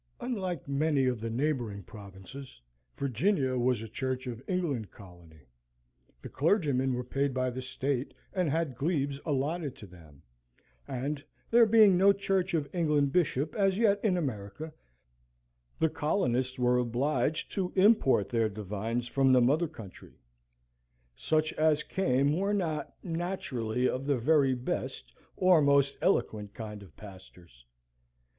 Unlike many of the neighbouring provinces, Virginia was a Church of England colony: the clergymen were paid by the State and had glebes allotted to them; and, there being no Church of England bishop as yet in America, the colonists were obliged to import their divines from the mother country. Such as came were not, naturally, of the very best or most eloquent kind of pastors.